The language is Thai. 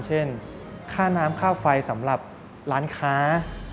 เช่นค่าน้ำค่าไฟสำหรับร้านค้า